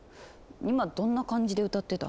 今どんな感じで歌ってた？